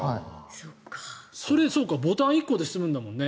それ、ボタン１個で済むんだもんね。